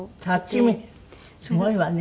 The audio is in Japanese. すごいわね。